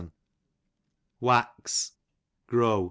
Wax, grow.